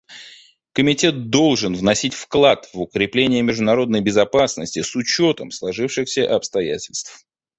Комитет должен вносить вклад в укрепление международной безопасности с учетом сложившихся обстоятельств.